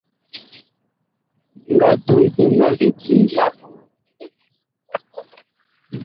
Mi nga tol ɓe ma lidi apuu.